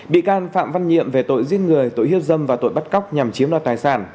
bị can phạm văn nhiệm về tội giết người tội hiếp dâm và tội bắt cóc nhằm chiếm đoạt tài sản